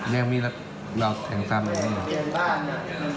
แย่งเมฆแล้วแล้วแทงท่านมันแย่งเมฆ